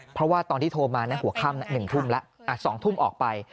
เพราะว่าตอนที่โทรมาหัวค่ำ๑ทุ่มแล้ว๒ทุ่มออกไป